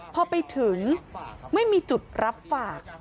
พอไปถึงไม่มีจุดรับฝาก